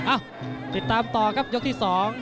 เอ้าติดตามต่อกับยกที่๒